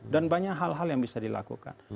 dan banyak hal hal yang bisa dilakukan